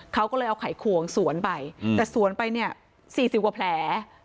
เขาก็เลยเอาไขควงสวนไปแต่สวนไปเนี่ย๔๐กว่าแผล